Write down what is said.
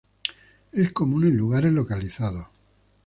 Es común en lugares localizados.